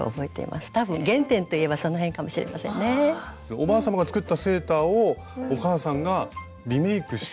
おばあさまが作ったセーターをお母さんがリメークして。